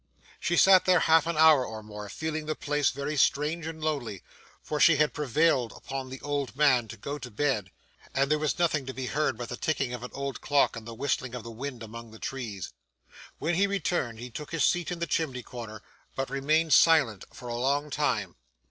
She sat there half an hour or more, feeling the place very strange and lonely, for she had prevailed upon the old man to go to bed, and there was nothing to be heard but the ticking of an old clock, and the whistling of the wind among the trees. When he returned, he took his seat in the chimney corner, but remained silent for a long time.